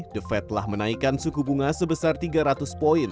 the fed telah menaikkan suku bunga sebesar tiga ratus poin